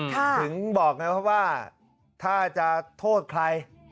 ถึงบอกไงว่าถ้าจะโทษใคร